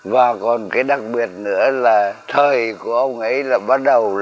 và còn cái đặc biệt nữa là thời của ông ấy là bắt đầu